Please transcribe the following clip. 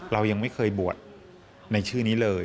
เรายังไม่เคยบวชในชื่อนี้เลย